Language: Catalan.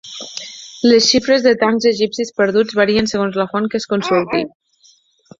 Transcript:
Les xifres de tancs egipcis perduts varien segons la font que es consulti.